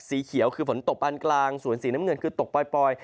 สีเขียวคือฝนตกอันกลางส่วนสีน้ำเงินคือตกปล่อย